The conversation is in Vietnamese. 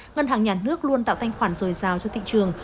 ngân hàng nhà nước luôn tạo thanh khoản dồi dào cho thị trường